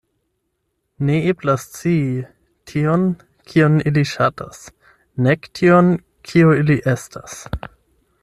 Ne eblas scii tion, kion ili ŝatas, nek tion, kio ili estas.